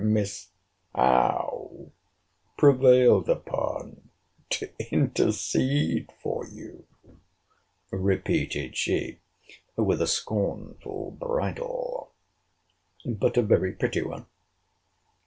Miss Howe prevailed upon to intercede for you! repeated she, with a scornful bridle, but a very pretty one.